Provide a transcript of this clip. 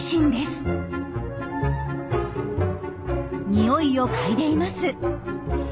ニオイを嗅いでいます。